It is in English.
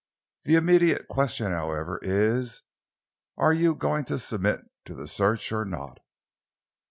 The immediate question, however, is are you going to submit to search or not?"